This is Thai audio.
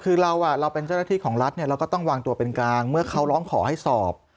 คือเราเป็นเจ้าหน้าที่ของรัฐเราก็ต้องวางตัวเป็นกลางเมื่อเขาร้องขอให้สอบ